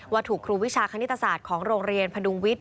ถูกครูวิชาคณิตศาสตร์ของโรงเรียนพดุงวิทย